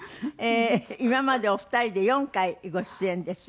今までお二人で４回ご出演です。